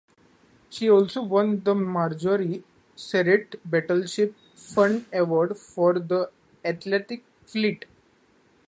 She also won the Marjorie Sterrett Battleship Fund Award for the Atlantic Fleet.